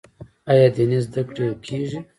آیا دیني زده کړې کیږي؟